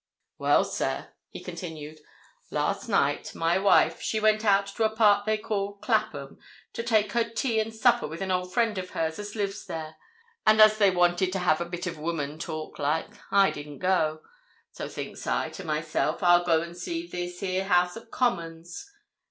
"Well, sir," he continued, "Last night, my wife, she went out to a part they call Clapham, to take her tea and supper with an old friend of hers as lives there, and as they wanted to have a bit of woman talk, like, I didn't go. So thinks I to myself, I'll go and see this here House of Commons.